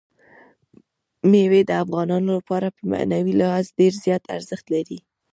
مېوې د افغانانو لپاره په معنوي لحاظ ډېر زیات ارزښت لري.